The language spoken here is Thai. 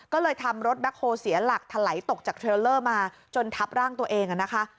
ก็เลยทำรถแบ็คโฮเสียหลักถลายตกจากเทรลเลอร์มาจนทับร่างตัวเองนะคะ